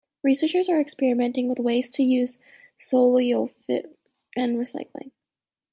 Researchers are experimenting with ways to use solvolysis in recycling.